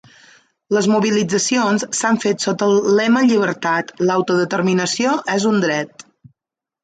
Les mobilitzacions s’han fet sota el lema Llibertat, l’autodeterminació és un dret.